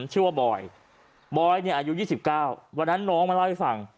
ชื่อว่าบอยบอยเนี่ยอายุ๒๙วันนั้นน้องมาเล่าให้ฟัง